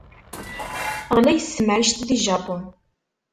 Ɣlayet temɛict di Japan.